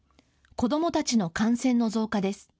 子どもたちの感染の増加です。